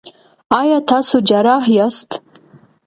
ایا تاسو جراح یاست؟